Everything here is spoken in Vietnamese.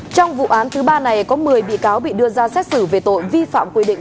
trong vụ án thứ ba này có một mươi bị cáo bị đưa ra xét xử về tội vi phạm quy định